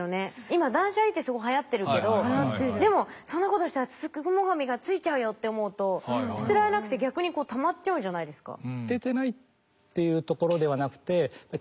今断捨離ってすごいはやってるけどでもそんなことしたら付喪神がついちゃうよって思うと捨てられなくて逆にたまっちゃうじゃないですか。